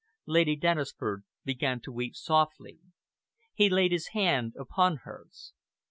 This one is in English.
Lady Dennisford began to weep softly. He laid his hand upon hers.